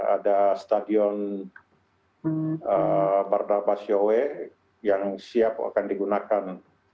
ada stadion bardabas yowe yang siap akan digunakan